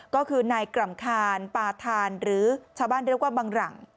ก็คือนายกร่ำคาญปาธานหรือชาวบ้านเรียกว่าบังหลัง